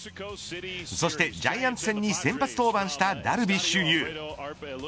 そしてジャイアンツ戦に先発登板したダルビッシュ有。